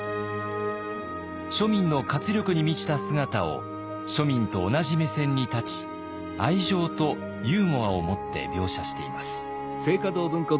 庶民の活力に満ちた姿を庶民と同じ目線に立ち愛情とユーモアをもって描写しています。